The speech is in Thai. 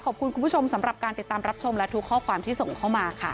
ขอบคุณคุณผู้ชมสำหรับการติดตามรับชมและทุกข้อความที่ส่งเข้ามาค่ะ